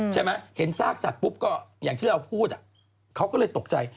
เห็นซากสัตว์ปุ๊บก็อย่างที่เราพูดเขาก็เลยตกใจ